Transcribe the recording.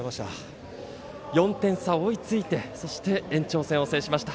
４点差を追いついて延長戦を制しました。